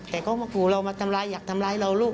แต่เขามาขู่เรามาทำร้ายอยากทำร้ายเราลูก